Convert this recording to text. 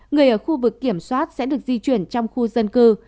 người ở khu vực kiểm soát sẽ được di chuyển trong khu dân cư